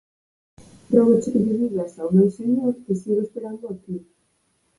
Rógoche que lle digas ao meu señor que sigo esperando aquí!